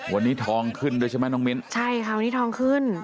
วันนี้ทองขึ้นด้วยใช่ไหมน้องมิ้นใช่ค่ะวันนี้ทองขึ้น